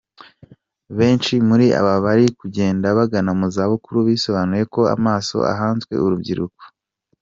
Benshi muri aba bari kugenda bagana mu za bukuru bisobanuye ko amaso ahanzwe urubyiruko.